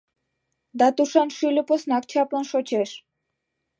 Да тушан шӱльӧ поснак чаплын шочеш.